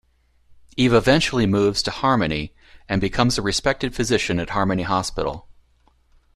Eve eventually moves to Harmony and becomes a respected physician at Harmony Hospital.